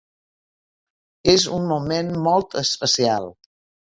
És un moment molt especial.